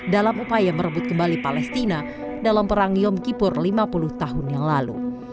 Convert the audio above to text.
dalam upaya merebut kembali palestina dalam perang yom kipur lima puluh tahun yang lalu